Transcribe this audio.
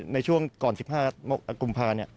ในช่วงก่อน๑๕กุมภาเนี่ย